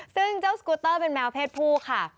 ซึ่งเจ้าสกูเตอร์เป็นแมวเพศผู้ค่ะ